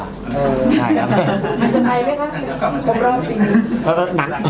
มันจะมีถึงไหนมั้ยครับบางหนึ่ง